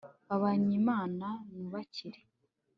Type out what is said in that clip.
babanyi mana nubakire